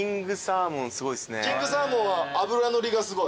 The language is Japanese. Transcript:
キングサーモンは脂乗りがすごい。